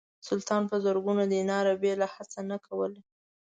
سلطان په زرګونو دیناره بېله هیڅه نه ورکول.